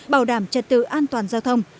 bảo đảm trật tự an toàn giao thông